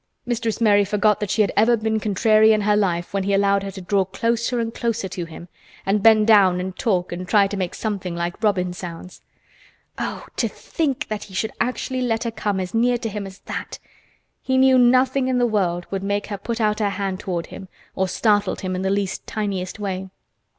Mistress Mary forgot that she had ever been contrary in her life when he allowed her to draw closer and closer to him, and bend down and talk and try to make something like robin sounds. Oh! to think that he should actually let her come as near to him as that! He knew nothing in the world would make her put out her hand toward him or startle him in the least tiniest way.